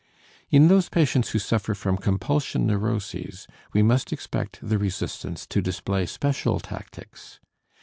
In those patients who suffer from compulsion neuroses, we must expect the resistance to display special tactics.